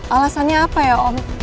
alasannya apa ya om